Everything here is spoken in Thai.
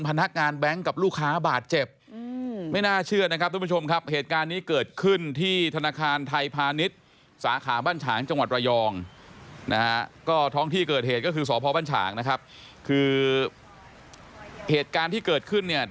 พนักงานแบงค์กับลูกค้าบาดเจ็บ